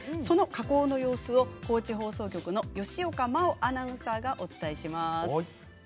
その加工の様子を高知放送局の吉岡真央アナウンサーがお伝えします。